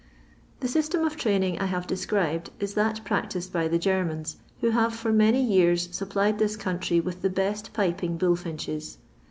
The system of training I have described is that practised by the Germans, who have for many years supplied this country wKh the best piping bullfinches.